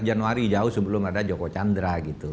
tujuh belas januari jauh sebelum ada joko chandra gitu